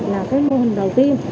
là cái mô hình đầu tiên